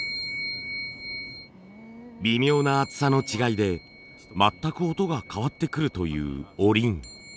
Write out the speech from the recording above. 微妙な厚さの違いで全く音が変わってくるというおりん。